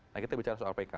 nah kita bicara soal pk